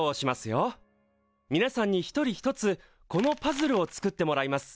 みなさんに１人１つこのパズルを作ってもらいます。